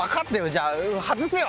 じゃあ外すよ！